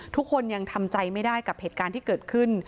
ทุกคนยังทำใจไม่ได้กับเหตุการณ์ที่เกิดขึ้น